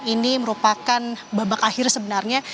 ini merupakan babak akhir sebenarnya